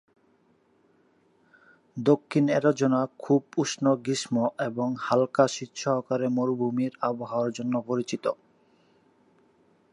দক্ষিণ অ্যারিজোনা খুব উষ্ণ গ্রীষ্ম এবং হালকা শীত সহকারে মরুভূমির আবহাওয়ার জন্য পরিচিত।